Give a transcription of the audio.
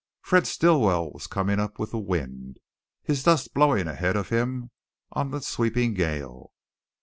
Fred Stilwell was coming up with the wind, his dust blowing ahead of him on the sweeping gale.